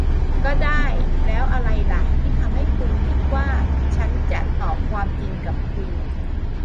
ก็ได้ แล้วอะไรล่ะที่ทำให้คุณคิดว่าฉันจะตอบความจริงกับคุณ